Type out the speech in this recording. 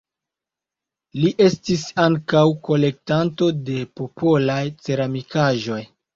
Li estis ankaŭ kolektanto de popolaj ceramikaĵoj.